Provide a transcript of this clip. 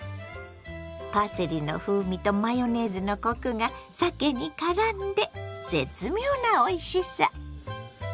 パセリの風味とマヨネーズのコクがさけにからんで絶妙なおいしさ。